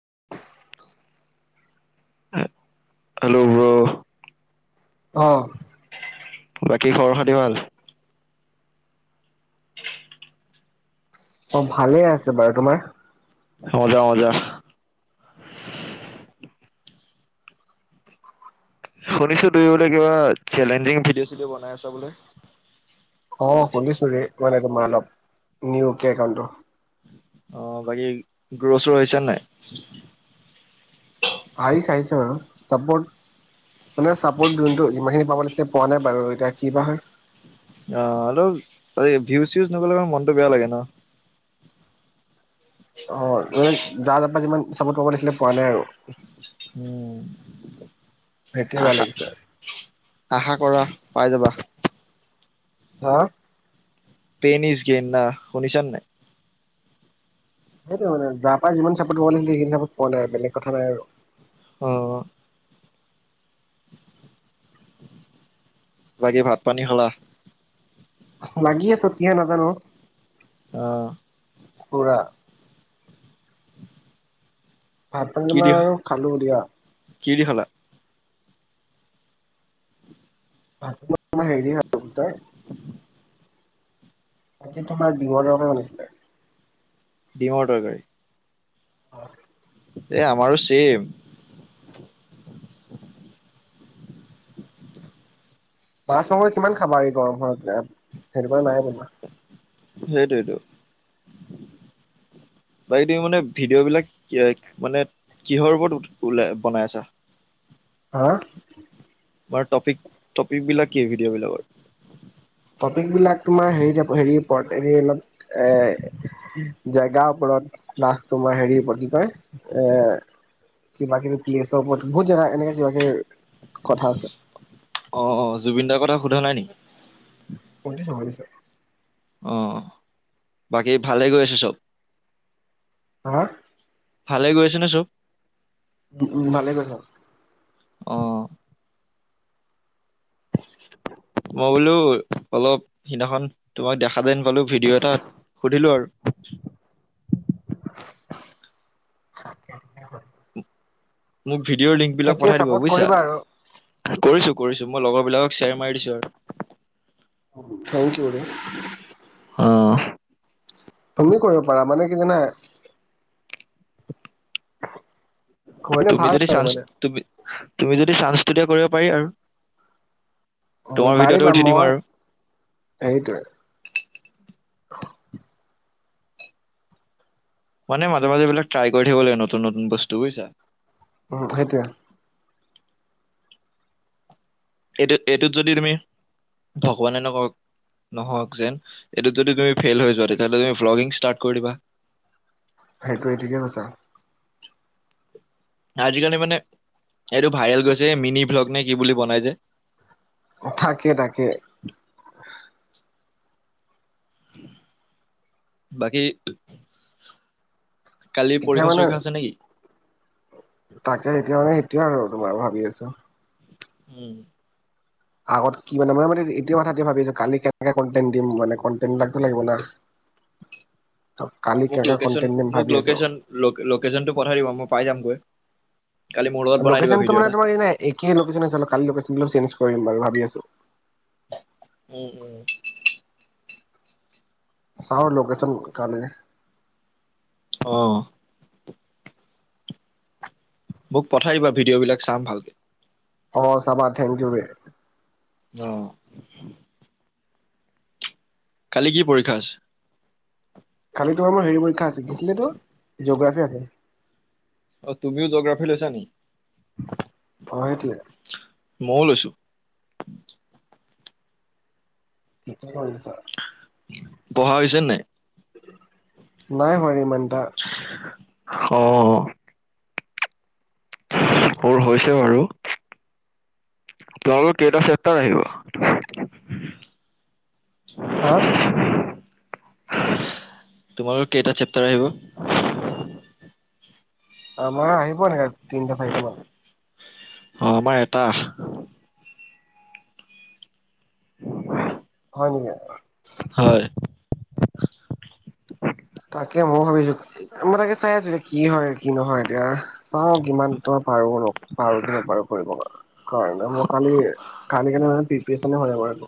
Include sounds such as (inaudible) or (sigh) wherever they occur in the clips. (unintelligible) হে- hello. Bro অ। বাকী খবৰ খাতি ভাল। অ' ভালে আছে বাৰু তোমাৰ। মজা, মজা। শুনিছো দুই বোলে কিবা চেলেঞ্জিং ভিডিঅ' ভিডিঅ' বনাই আছা বোলে। অ' শুুনিছো মানে তোমাৰ অলপ নিউ কে একাউন্টত টো অ' বাকী গুৰ চুৰ হৈছে নাই? আহিছে, আহিছে আৰু চাপৰ্ট মানে চাপৰ্ট যোনটো যিমানখিনি পাব লাগিছিল। এতিয়া পোৱা নাই বাৰু এতিয়া কি বা হয়। অ' আৰু ভিউজ চিউজ নগলে ম মনতটো বেয়া লাগে ন। অ' ম যা যাৰা যিমান চাপৰ্ট আছিলে পোৱা নাই, আৰু উম, সেইটোৱে বেয়া আশা লাগিছে আশা কৰা পাই যাবা। হা পেনিছ ইচগেন ন শুনিছানে নাই। সেইটো মানে যাৰ পৰা যিমান চাপৰ্ট পাব লাগিছিলে। সেই বিলাকত পোৱা নাই বেলেগ কথা নাই আৰু অ'অ' বাকী ভাত পানী খালা। লাগি আছে কি হয় নাজানো। অ' পুৰা ভাত পানী কি দি মই আৰু খালো দিয়া। কি দি খালা। ভাত মই হেৰি দি খালো। তই আজি তোমাৰ বিঅৰে ওলাছিলে। কিহৰ টৰকাৰি। (unintelligible) এ আমাৰো চেম। মাছ মাংৰি কিমান খাবা আৰু গৰমখনত সেইটো কাৰণে নাই বনোৱা। সেইটোৱে টো বাকী তুমি মানে ভিডিঅ' বিলাক মানে কিহৰ ওপৰত ওলাই বনাই আছা। হা আৰু টপিক টপিক বিলাক কি ভিডিঅ' বিলাকৰ। টপিক বিলাক তোমাৰ হে হেৰি ওপৰত হৰি অলপ এ জেগাৰ ওপৰত। প্লাছ তোমাৰ হেৰিওপৰত কি কয় এ কিবা কিবি প্লেছৰ ওপৰত বহুত জেগা এনেকৈ যোৱা কে কথা আছে। অ অ জুবিন দাৰ কথা সোধা নাই নেকি? শুধিছে শুধিছে। অ বাকী ভালেই গৈ আছে চব? হা? ভালে গৈ আছেনে চব? উম উম ভালেই (unintelligible) অ। মই বোলো অলপ সিদিনাখন তোমাক দেখা যেন পালো ভিডিঅ' এটাত। সুধিলো আৰু (unintelligible) মোক ভিডিঅ'ৰ লিংক বিলাক ঠিকে পঠাই দিবা চাপৰ্ট কৰিবা আৰু বুজিছা। কৰিছো কৰিছো মই লগৰ বিলাকক শ্বেয়াৰ মাৰি দিছো আৰু। থেংককিইউ। আহ তুমিও কৰিব পাৰা মানে কি জানা। কৰিলে তুমি ভাল যদি আৰু চান্স মানে। তুমি তুমি যদি চান্সটো দিয়া কৰিব পাৰি আৰু উম তোমাৰ ভিডিঅতে পাৰিবা উঠি দিম মই আৰু। সেইটোৱে (unintelligible) মানে মাজে মাজে এইবিলাক ট্ৰাই কৰি থাকিব লাগে নতুন নতুন বস্তু, বুইছা? অ সেইটোৱে। এইটোত এইটোত যদি তুমি ভগৱানে নকৰক নহওক যেন। এইটো যদি তুমি ফেইল হৈ যোৱা, তেতিয়াহলে তুমি বল্গিং স্তাৰ্ট কৰি দিবা। সেইটোৱে ঠিকে কৈছা আজিকালি মানে এইটো ভাইৰেল গৈছে। মিনি ব্লগ নে কি বুলি বনাই যে। থাকে তাকে বাকী কালি এতিয়া মানে পৰীক্ষা-চৰীক্ষা আছে নেকি? তাকে তেতিয়া মানে সেইটোৱে আৰু তোমাৰ ভাবি আছো। উম আগত কি মানে মানে মানে এতিয়া কথা ভাবিছো কালি কেনেকে কণ্টেন দিম মানে, কণ্টেন থাকবা লাগিব না। (inaudible) কালি মোক কেনেকা লকেচন কন্টেন্ট দিম মোক ভাবি আছো। লকেচন ল-লকেচনটো পঠাই দিব। মই পাই যামগৈ। কালি মোৰ লগত বনাই দিবা লকেচনটো ভিডিঅ' মানে এটা। তোমাৰ কি জানা একে লকেচন (unintelligible) কৰিম বাৰু ভাবি আছোঁ। উম (inaudible) চাও লোকেচন কালি অ' মোক পঠাই দিবা ভিডিঅ' বিলাক চাম ভালকে। অ চাবা। থেংক ইউ ৱে। অ' কালি কি পৰীক্ষা আছে? কালি তোমাৰ হেৰি পৰীক্ষা আছে। কি আছিল তোৰ, জিঅ'গ্ৰাফী আছে। অ তুমিও জোগ্ৰাফি লৈছা নি? হয় দিয়া। মইও লৈছো। ঠিকেই কৰিছা। পঢ়া হৈছে নে নাই? নাই হয় ইমানটা অ' অ' মোৰ হৈছে বাৰু। তোমালোকৰ কেইটা চেপটাৰ আহিব? হাঁ। (inaudible) তোমাৰো কেইটা চেপ্টাৰ আহিব? আমাৰ আহিব (unintelligible) তিনটা চাৰিটা মান। আমাৰ এটা। হয় নিকি? হয়। তাকে মই ভাবিছো। মই তাকে চাই আছো এতিয়া কি হয়, কি নহয় এতিয়া চাও কিমান পৰো কি নোপাৰো কৰিব কাৰণে, মই কালি কালি (unintelligible) হয় (inaudible)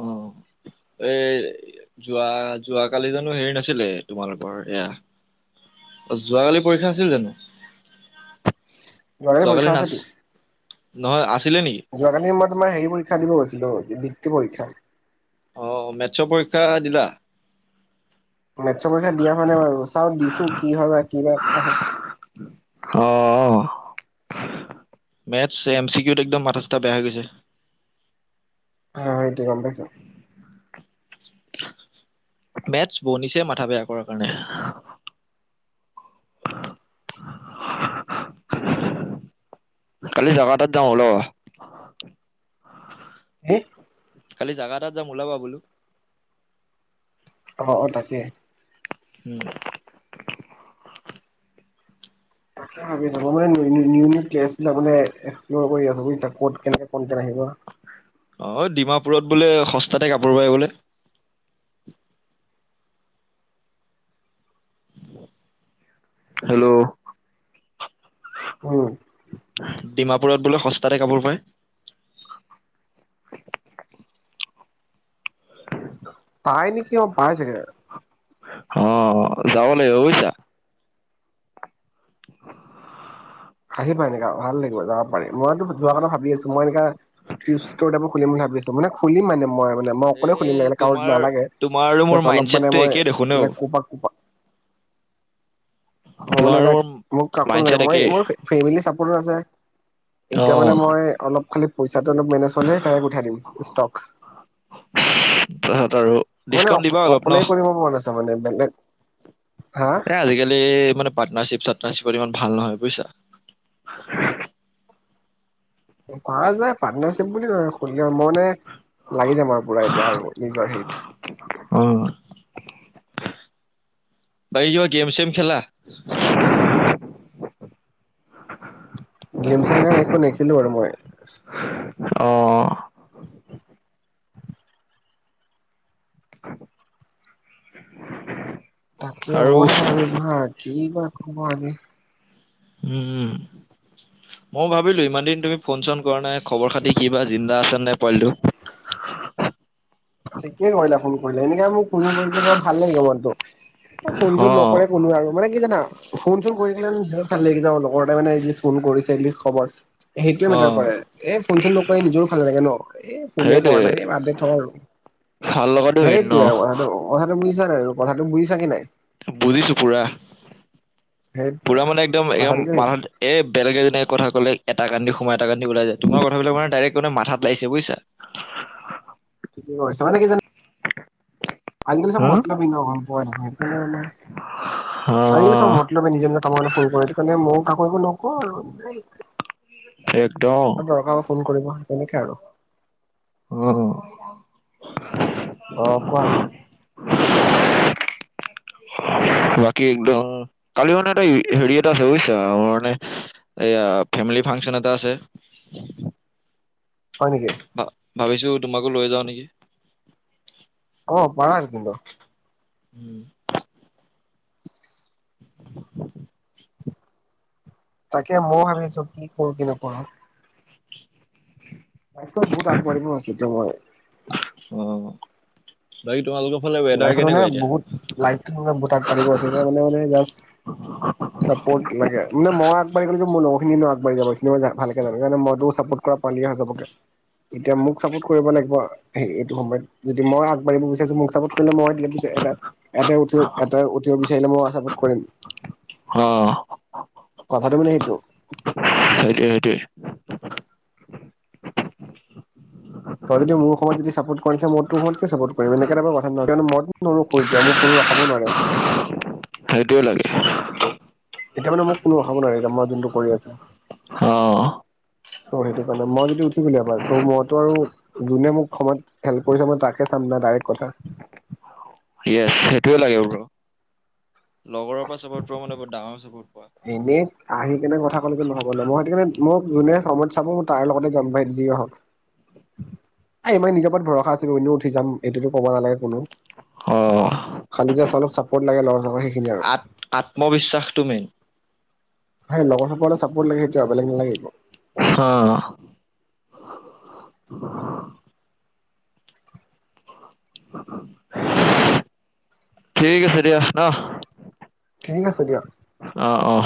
অ, এ যোৱা যোৱ কালি জানো হেৰি নাছিলে তোমালোকৰ এয়া যোৱাকালি পৰীক্ষা আছিল জানো? যোৱালী যোৱাকালি পৰীক্ষা নাচ আছেতো। নহয় আছে (inaudible) যোৱাকালি সময়ত তোমাৰ হেৰি পৰীক্ষা দিব গৈছিলো, বৃত্তি পৰীক্ষা। অ', মেটছৰ পৰীক্ষা দিলা? মেটছৰ পৰীক্ষা দিয়া হোৱা নাই বাৰু, চাও দিছো কি হয় বা কিবা আহে। মেটছ এম চি কিউত একদম মাথা চাথা বেয়া হৈ গৈছে। (unintelligible) হয়টো গম পাইছ? মেটছ বনিছে, মাথা বেয়া কৰাৰ কাৰণে। কালি জাগা এটাত যাওঁ ওলাবা। হে। কালি জাগা এটাত যাম ওলাবা বোলো। অহ অ', তাকে। উ। তাকে ভাবি আছো মই। মই মানে নিউ নিউ প্লেচ বিলাক মানে এক্সপ্লৰ কৰি আহো বুইছা, ক'ত কেনেকে ক অ', ডিমাপুৰত বোলে সস্তাত তে কাপোৰ পাই বোলে! হেল্ল! হেল্ল! ডিমাপুৰত বোলে সস্তাতে কাপোৰ পায়। পায় নিকি, অ', পাই চাগে। হ, যাব লাগিব বুইছা। আহিবা এনেকা, ভাল লাগ যাব পাৰি। মইতো যোৱাৰ কথা ভাবি আছো। মই এনেকা, ষ্টৰ তাইপৰ খুলিম বুলি ভাবি মানে খুলিম মানে মই। মানে মই অকলে খুলিম, এ লাগিলে কাৰো তোমাৰ নালাগে, তোমাৰ আৰু মোৰ বচ অলপ মাইণ্ডছেটটো মানে মই, একেই দেখোন অ মানে কৌপা কৌপা তোমাৰ ভগৱানৰ আৰু মোৰ (unintelligible) মোক কাকো মাইণ্ডছেট নালাগে, মই, একেই মই ফেমিলি চাপৰ্ট আছে। অ এতিয়া মানে মই অলপ খালি চাটো অলপ মেনেজ হ'লে (unintelligible) উঠাই দিম। ষ্টক। তাৰপিছত আৰু মানে, ডিচকাউণ্ট দিবা অলপ ন অ-অকলেই কৰিব মন আছে মানে, বেলেগ হা এ, আজিকালি মানে পাৰ্টনাৰশিপচত আছো। (unintelligible) ইমান ভাল নহয় বুজিছা। পাৰা যায় পাৰ্নাৰশিপ বুলি নহয়, খুলিয়াও মই মানে, লাগি যাম আৰু পুৰা এতিয়া আৰু নিজৰ হেৰিত। বায়ীয় গেম চেম খেলা? গেম ছেম একো নেখেলো আৰু মই। অ তাকে আৰু মোৰ তাকে ভাবি আছো কি বা ক'ব আজি। উম, উম, ময়ো ভাবিলো ইমান দিন তুমি ফোন চোন ফোন কৰণাই খবৰ খাতি কিবা জিন্দা আছে নে নাই পোৱালটো। থিকে কৰিলা ফোন কৰিলে এনেকে মোক ফোন কৰিলে কিবা ভাল লাগে মনটো। ফোন চোন অ নকৰে কোনো আৰু মানে কি জানা ফোন চোন কৰি থাকিলে বিৰাট ভাল লাগে যানা লগৰ এটাৱে মানে এটলিস্ত ফোন কৰিছেি এটলিস্ত খবৰ সেইটোৱে অ মেটাৰ কৰে এ ফোন চোন নকৰি নিজৰো ভাল নালাগে ন এ ফোনে সেইটোৱে কৰা নাই সেই বাদ ডে থৌ আৰু। ভাল লগাটো মেইন ন সেইটোৱে আৰু কথাটো, কথাটো বুজিছা নাই, কথাটো বুজিছা কি নাই? বুজিছো পুৰা। সেইটোৱে পুৰা মানে একদম, কথাটো একদম যে মানুহ সেইটো এ, বেলেগ এজনীয়ে কথা ক'লে। এটা কাণ দি সোমাই এটা কাণ দি ওলাই যায়, তোমাৰ কথাবিলাক মানে ডাইৰেক্ মানে মাথাত লাগিছে বুইছা? ঠিকে কৰিছ, তহঁতি কিজন আজি কালি চব হা মতলবি ন! গম পোৱাই নহয়। হা (unintelligible) চাৰিও চব মতলৱি নিজৰ নিজৰ কামৰ কাৰণে ফোন কৰে তোক। মনে ময়ো কাকো একো নকো আৰু একদম দৰকাৰ হলি ফোন কৰিব। তেনেকে আৰু। অহ' অ' কোৱা। বাকী একদম কালি মানে এটা হেৰি এটা আছে বুজিছা আমাৰ মানে এয়া ফে কালি ফাংচন এটা আছে। হয় নেকি? ভা- ভাবিছো তোমাকো লৈ যাওঁ নেকি? অ' পাৰা (unintelligible) (unintelligible) তাকে ময়ো ভাবিছো কি কৰো কি নকৰো। লাইফট বহুত আগবাঢ়িব আছে, এতিয়াও মই লাইট লাইফট মানে বহুত লাইফ আগ বহুত আগবাঢ়িব মানে মানে জাচ চাপৰ্ট লাগে মানে মই আগবাঢ়ি গ'লে যে মোৰ লগৰ খিনিও আগবাঢ়ি যাব মানে মই সেইখিনি ভালকে সেইকাৰণে ময়ো চাপৰ্ট কৰা পোৱালিয়া হৈ চবকে এতিয়া মোক চাপৰ্ট কৰিব লাগিব। এইটো সময়ত যদি মই আগবাঢ়ি বিচাৰিছোঁ মোক চাপৰ্ট মই যিহেতু এটা এটা এটাই উঠি এটাই উঠিব বিচাৰিলে ময়ো চাপৰ্ট কৰিম। আহ কথাটো মানে সেইটো। সেইটোৱে সেইটোৱে। তই যদি মোৰ সময়ত যদি চাপৰ্ট কৰিছে, ময়ো তোৰ সময়ত চাপৰ্ট কৰিম, এনেকে এটা কথা ন মই দিয় মোৰ কোনো খাব নোৱাৰে সেইটোয়ে লাগে। এতিয়া মানে মোক কোনো ৰখাবো নোৱাৰি এতিয়া মই যোনটো কৰি আছোঁ। (unintelligible) ত' সেইটো কাৰণে মই যদি উঠি পিনে অ' এবাৰ ত' মইতো আৰু যোনে মোক সময়ত হেল্প কৰিছে মই তাক হে চাম ডাইৰেক্ট কথা। (unintelligible) ইয়েছ সেইটোয়ে লাগে (unintelligible) লগৰৰ পৰা চাপৰ্ট পোৱা মানে বহুত ডাঙৰ চাপৰ্ট পোৱা এনেই আহি কেনে কথা ক'লেতো নহ'ব ন মই সেইটো মোক যোনে সময়ত চাব মই তাৰ লগতে যাম পাই যিয়েহক। এই মোৰ নিজৰ ওপৰত ভৰসা আছে, মই এনেও উঠি যাম এইটো তো ক'ব নালাগে কোনো অ খালি যে চালক অলপ চাপৰ্ট লাগে লগৰ জনৰ সেইখিনিয়ে আৰু। আত আত্মবিশ্বাসটো মেইন। সেই লগৰ সকতে চাপৰ্ট লাগে সেইটোৱে বেলেগ নালাগে একো। হা ঠিক আছে দিয়া ন। ঠিক আছে দিয়া। অ' অ'।